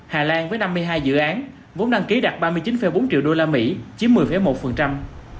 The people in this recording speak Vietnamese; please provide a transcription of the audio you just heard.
hà lan với năm mươi hai dự án vốn đăng ký đạt ba mươi chín bốn triệu đô la mỹ chiếm một mươi một